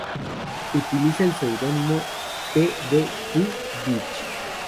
Utiliza el seudónimo P. D. Q. Bach.